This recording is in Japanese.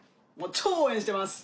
超応援してます！